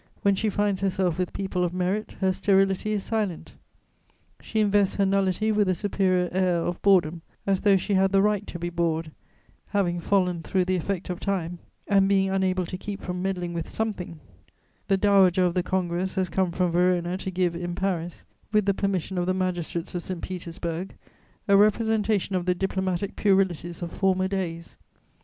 When she finds herself with people of merit, her sterility is silent; she invests her nullity with a superior air of boredom, as though she had the right to be bored; having fallen through the effect of time, and being unable to keep from meddling with something, the dowager of the Congress has come from Verona to give, in Paris, with the permission of the magistrates of St. Petersburg, a representation of the diplomatic puerilities of former days.